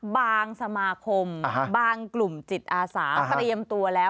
สมาคมบางกลุ่มจิตอาสาเตรียมตัวแล้ว